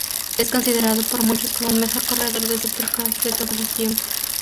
Es considerado por muchos como el mejor corredor de supercross de todos los tiempos.